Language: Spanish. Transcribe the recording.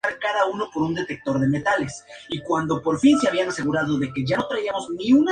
Su madre era enfermera y su padre tenía varios trabajos.